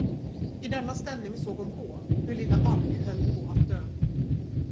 I denna ställning såg hon på, hur lilla Anni höll på att dö.